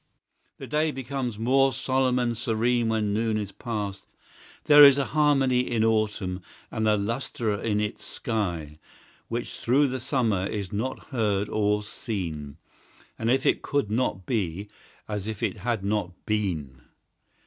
The day becomes more solemn and serene When noon is past there is a harmony In autumn, and a lustre in its sky, Which through the summer is not heard or seen, As if it could not be, as if it had not been!